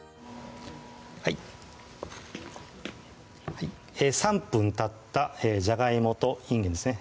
はい３分たったじゃがいもといんげんですね